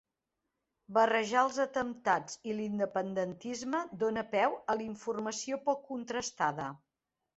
Barrejar els atemptats i l'independentisme dona peu a informació poc contrastada